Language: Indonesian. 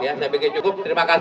ya saya pikir cukup terima kasih